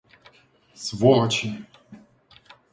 Сволочи!